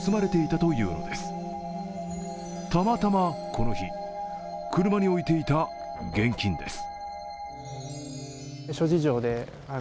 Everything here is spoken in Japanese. たまたまこの日、車に置いていた現金です。